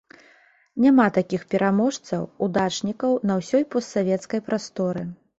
Няма такіх пераможцаў, удачнікаў на ўсёй постсавецкай прасторы.